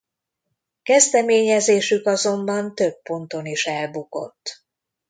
Kezdeményezésük azonban több ponton is elbukott.